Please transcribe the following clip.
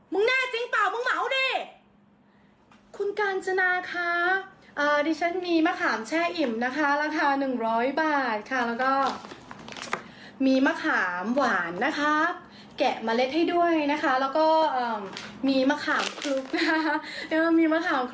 แน่จริงเปล่ามึงเหมาดิ